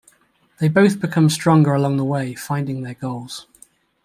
They both become stronger along the way, finding their goals.